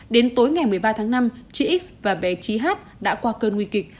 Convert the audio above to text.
đến tối ngày một mươi ba tháng năm chị x và bé trí hát đã qua cơn nguy kịch